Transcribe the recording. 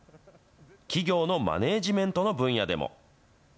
企業のマネージメントの分野でも。